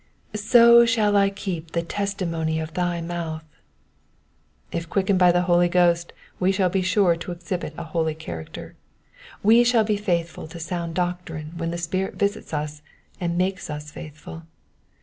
^'•So shall I keep the testi mony of thy mouth.'*'* If quickened by the Holy Ghost we shall bo sure to exhibit a holy character. We shall be faithful to sound doctrine when the Spirit visits us and makes us faithful.